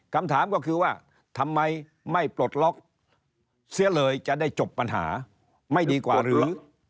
คำถามก็คือว่าทำไมไม่ปลดล็อกเสียเลยจะได้จบปัญหาไม่ดีกว่าหรือ